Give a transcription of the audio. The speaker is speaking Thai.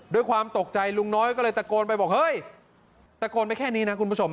ด้วยความตกใจลุงน้อยก็เลยตะโกนไปบอกเฮ้ยตะโกนไปแค่นี้นะคุณผู้ชม